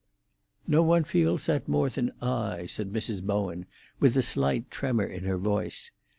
"No one feels that more than I," said Mrs. Bowen, with a slight tremor in her voice.